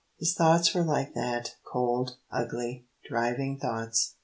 His thoughts were like that, cold, ugly, driving thoughts.